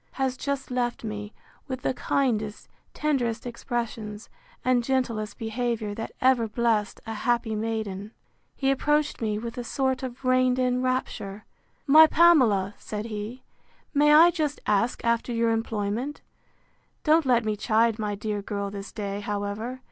—has just left me, with the kindest, tenderest expressions, and gentlest behaviour, that ever blest a happy maiden. He approached me with a sort of reined in rapture. My Pamela! said he, May I just ask after your employment? Don't let me chide my dear girl this day, however.